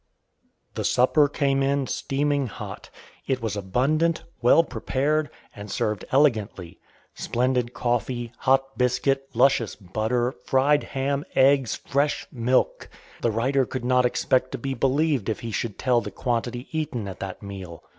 The supper came in steaming hot. It was abundant, well prepared, and served elegantly. Splendid coffee, hot biscuit, luscious butter, fried ham, eggs, fresh milk! The writer could not expect to be believed if he should tell the quantity eaten at that meal.